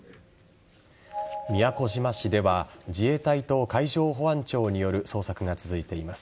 宮古島市では自衛隊と海上保安庁による捜索が続いています。